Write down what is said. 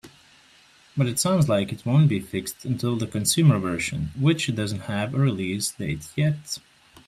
But it sounds like it won't be fixed until the consumer version, which doesn't have a release date yet.